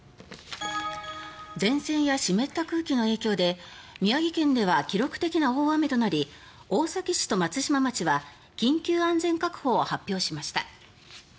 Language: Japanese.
前線や湿った空気の影響で宮城県では記録的な大雨となり大崎市と松島町は緊急安全確保を発表しました。